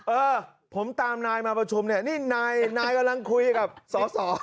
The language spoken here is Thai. เอิ่อผมตามนายมาประชุมนี่นายกำลังคุยกับสส